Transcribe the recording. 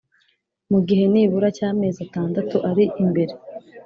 mu gihe nibura cy’amezi atandatu ari imbere,